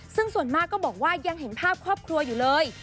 ซึ่งส่วนมากก็บอกว่ายังเห็นภาพครอบครัวอยู่เลย